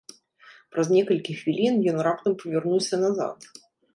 Праз некалькі хвілін ён раптам павярнуўся назад.